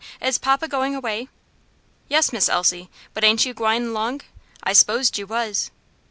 is papa going away?" "Yes, Miss Elsie; but ain't you gwine along? I s'posed you was."